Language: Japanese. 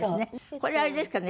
これはあれですかね？